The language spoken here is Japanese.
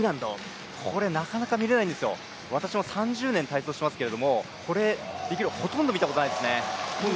これ、なかなか見れないんですよ、私も３０年体操してますけどこれできるのほとんど見たことないですね。